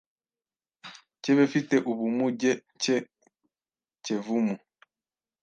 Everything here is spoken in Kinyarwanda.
cy’ebefite ubumuge cye Kevumu,